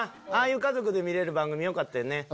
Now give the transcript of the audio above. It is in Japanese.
ああいう家族で見れる番組よかったよね。